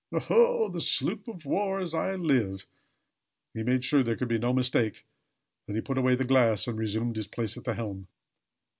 "Oho! The sloop of war, as I live!" He made sure there could be no mistake, then he put away the glass and resumed his place at the helm.